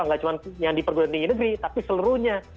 nggak cuma yang di perguruan tinggi negeri tapi seluruhnya